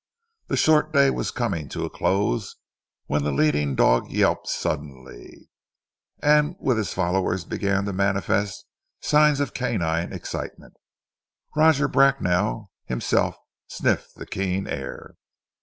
The short day was coming to a close when the leading dog yelped suddenly, and with his followers began to manifest signs of canine excitement. Roger Bracknell himself sniffed the keen air.